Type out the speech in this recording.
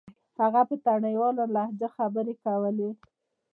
هغه په تڼيواله لهجه خبرې کولې.